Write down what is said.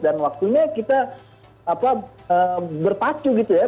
dan waktunya kita bertacu gitu ya